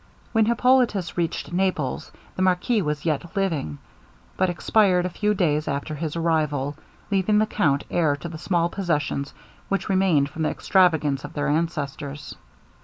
When Hippolitus reached Naples, the marquis was yet living, but expired a few days after his arrival, leaving the count heir to the small possessions which remained from the extravagance of their ancestors.